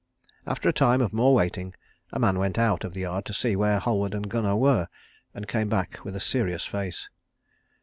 After a time of more waiting a man went out of the yard to see where Halward and Gunnar were, and came back with a serious face.